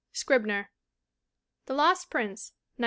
Scribner. The Lost Prince, 1915.